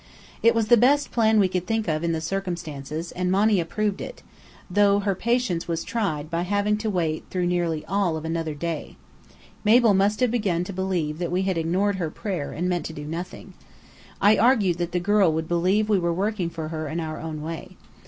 It was the best plan we could think of in the circumstances, and Monny approved it, though her patience was tried by having to wait through nearly all of another day. Mabel must have begun to believe that we had ignored her prayer and meant to do nothing. I argued that the girl would believe we were working for her in our own way.